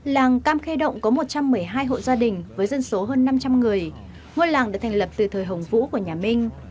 làng cam khe động có một trăm một mươi hai hộ gia đình với dân số hơn năm trăm linh người ngôi làng được thành lập từ thời hồng vũ của nhà minh